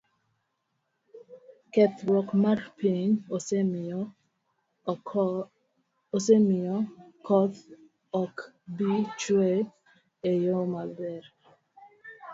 kethruok mar piny osemiyo koth ok bi chue e yo maber.